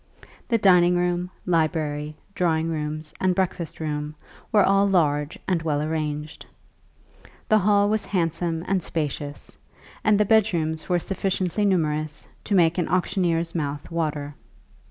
The dining room, library, drawing rooms, and breakfast room, were all large and well arranged. The hall was handsome and spacious, and the bed rooms were sufficiently numerous to make an auctioneer's mouth water.